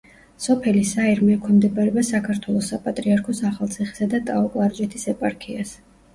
სოფელი საირმე ექვემდებარება საქართველოს საპატრიარქოს ახალციხისა და ტაო-კლარჯეთის ეპარქიას.